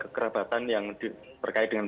kekerabatan yang berkait dengan